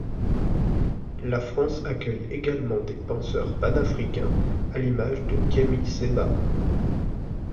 La France accueille également des penseurs panafricains à l'image de Kémi Séba.